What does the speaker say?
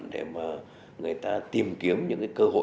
để mà người ta tìm kiếm những cái cơ hội đầu tư